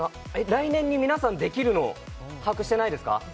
来年に皆さんできるの把握してないですか？